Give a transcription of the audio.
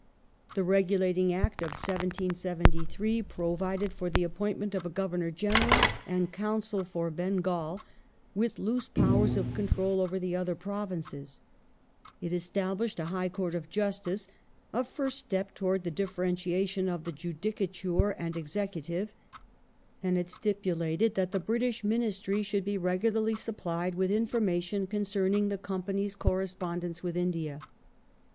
The Regulating Act (1773) provided for the appointment of a Governor General and Council for Bengal with loose powers of control over the other provinces ; it established a High Court of Justice — a fii st step towards the differentiation of the Judicature and Executive, and it stipulated that the British Ministry should be regularly supplied with information concerning the Company's correspondence with India.